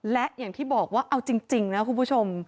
และอย่างที่บอกว่าเอาจริงนะคุณผู้ชม